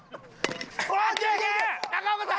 中岡さん！